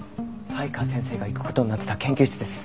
才川先生が行く事になってた研究室です。